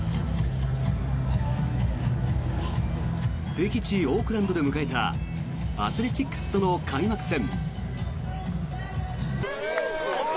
敵地、オークランドで迎えたアスレチックスとの開幕戦。